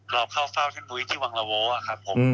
เราเข้าเฝ้าพี่ปุ้ยที่วังละโว้ครับผม